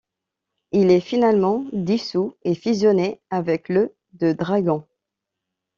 Il est finalement dissout et fusionné avec le de dragons.